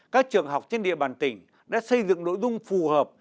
các trường học trên địa bàn tỉnh đã xây dựng nội dung phù hợp